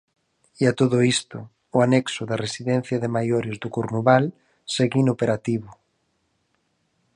E a todo isto, o anexo da residencia de maiores do Cornuval segue inoperativo.